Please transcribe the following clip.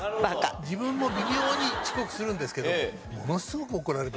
自分も微妙に遅刻するんですけどものすごく怒られました。